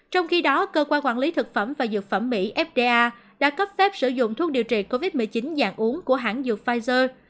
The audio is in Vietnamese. trong khi đó cơ quan quản lý thực phẩm và dược phẩm mỹ fda đã cấp phép sử dụng thuốc điều trị covid một mươi chín dạng uống của hãng dược pfizer